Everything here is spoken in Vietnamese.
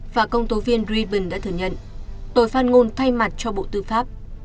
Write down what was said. và công tố viên drieben đã thừa nhận tôi phát ngôn thay mặt cho bộ tư pháp